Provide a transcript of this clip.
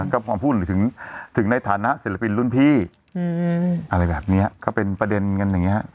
ก็พอพูดถึงในฐานะศิลปินรุ่นพี่อะไรแบบนี้ก็เป็นประเด็นกันอย่างนี้